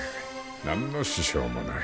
何の支障もない。